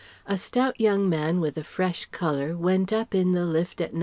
A stout young man with a fresh colour went up in the lift at No.